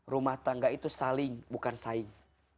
rumah tangga itu saling bukan saing